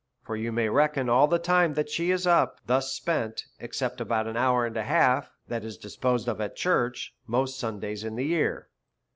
For you may reckon all the time she is up, thus spent, except about an hour and a half that is disposed of in church, most Sundays in the year.